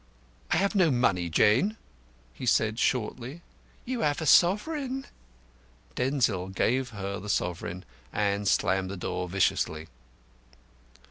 "I have no money, Jane," he said shortly. "You have a sovereign." Denzil gave her the sovereign, and slammed the door viciously.